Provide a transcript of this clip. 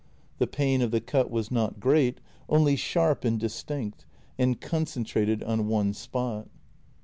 The pain of the cut was not great — only sharp and distinct, and concentrated on one spot.